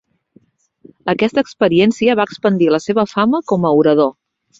Aquesta experiència va expandir la seva fama com a orador.